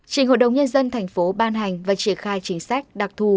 trình hội đồng nhân dân tp hcm ban hành và triển khai chính sách đặc thù